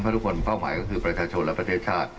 ทุกคนเป้าหมายก็คือประชาชนและประเทศชาติ